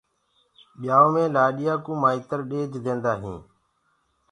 ٻِيآئو مي لآڏيآ ڪو مآئتر ڏيج دينٚدآ هيٚنٚ